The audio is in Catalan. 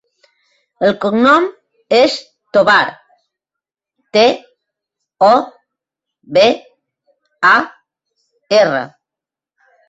El cognom és Tobar: te, o, be, a, erra.